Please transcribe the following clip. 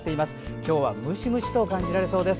今日はムシムシと感じられそうです。